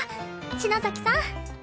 篠崎さん。